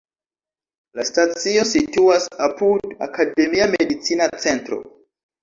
La stacio situas apud "Akademia Medicina Centro".